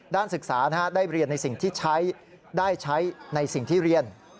ศึกษาได้เรียนในสิ่งที่ใช้ได้ใช้ในสิ่งที่เรียน